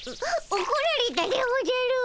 おこられたでおじゃる。